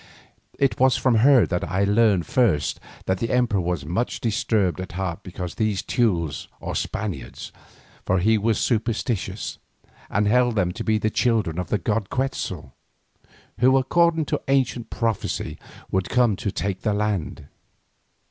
It was from her that I learned first that the emperor was much disturbed at heart because of these Teules or Spaniards, for he was superstitious, and held them to be the children of the god Quetzal, who according to ancient prophecy would come to take the land.